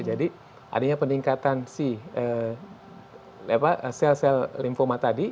jadi adanya peningkatan sel sel linfoma tadi